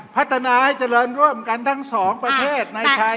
พัฒนาให้เจริญร่วมกันทั้งสองประเทศในไทย